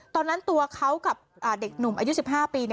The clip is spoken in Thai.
ตอนนั้นตัวเขากับเด็กหนุ่มอายุ๑๕ปี